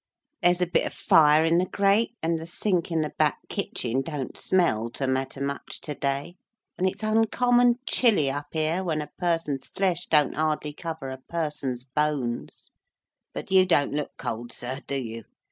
"There's a bit of fire in the grate, and the sink in the back kitchen don't smell to matter much to day, and it's uncommon chilly up here when a person's flesh don't hardly cover a person's bones. But you don't look cold, sir, do you?